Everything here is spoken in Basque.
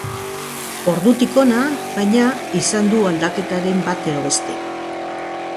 Ordutik hona, baina, izan du aldaketaren bat edo beste.